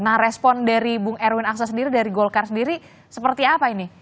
nah respon dari bung erwin aksa sendiri dari golkar sendiri seperti apa ini